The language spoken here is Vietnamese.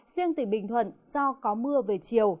riêng tỉnh bình thuận do có mưa về chiều